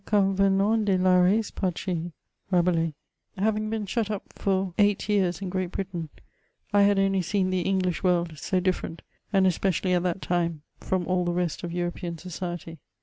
Aucuns venans des Lares patries. (^Rabelat8,) Having been shut up for eight years in Great Britain, I had only seen the English world, so different, and especially at that time, from all the rest of European society.